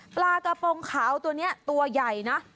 ปลากระโปรงขาวตัวนี้ตัวใหญ่นะ